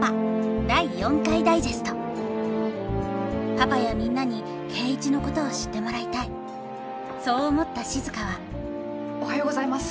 パパやみんなに圭一のことを知ってもらいたいそう思った静はおはようございます！